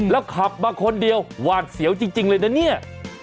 แล้วขับมาคนเดียวหวาดเสียวจริงเลยนะเนี่ย